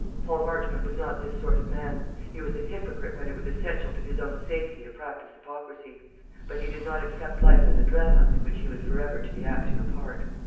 Paul Marchmont was not this sort of man. He was a hypocrite when it was essential to his own safety to practice hypocrisy; but he did not accept life as a drama, in which he was for ever to be acting a part.